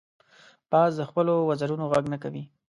باز د خپلو وزرونو غږ نه کوي